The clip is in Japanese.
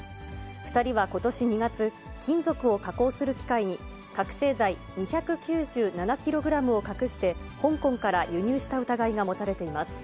２人はことし２月、金属を加工する機械に、覚醒剤２９７キログラムを隠して、香港から輸入した疑いが持たれています。